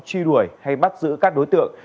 truy đuổi hay bắt giữ các đối tượng